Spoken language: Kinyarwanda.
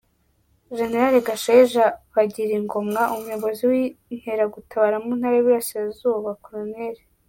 Gen. Gashaija Bagirigomwa, umuyobozi w’Inkeragutabara mu Ntara y’Iburasirazuba, Col,.